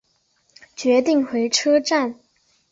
决定回车站